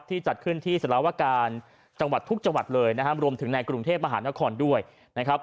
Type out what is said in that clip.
จัดขึ้นที่สารวการจังหวัดทุกจังหวัดเลยนะครับรวมถึงในกรุงเทพมหานครด้วยนะครับ